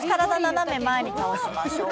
斜め前に倒しましょう